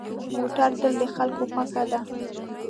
موټر تل د خلکو خوښه ده.